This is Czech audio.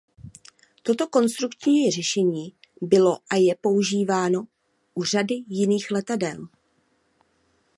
Toto konstrukční řešení bylo a je používáno u řady jiných letadel.